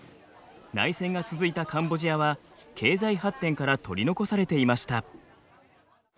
内戦が続いたカンボジアは経済発展から取り残されていました。